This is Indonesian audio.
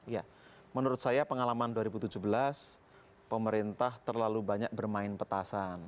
ya menurut saya pengalaman dua ribu tujuh belas pemerintah terlalu banyak bermain petasan